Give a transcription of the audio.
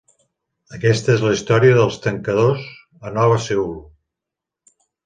Aquesta és la història dels Tancadors a Nova Seül.